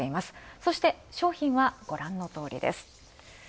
そして、商品はごらんのとおり。